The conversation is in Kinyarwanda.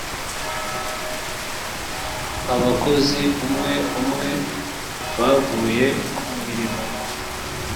abakozi umwe umwe bavuye ku mirimo